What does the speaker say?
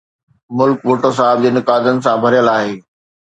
ملڪ ڀٽو صاحب جي نقادن سان ڀريل آهي.